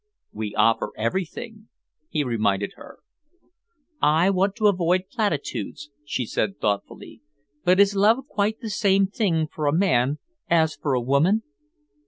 "We offer everything," he reminded her. "I want to avoid platitudes," she said thoughtfully, "but is love quite the same thing for a man as for a woman?"